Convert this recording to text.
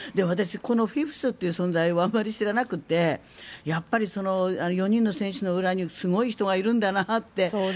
私、このフィフスという存在をあまり知らなくてやっぱり４人の選手の裏にすごい人がいるんだなって。